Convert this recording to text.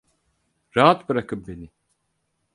Rahat bırakın beni!